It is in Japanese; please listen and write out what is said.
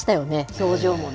表情もね。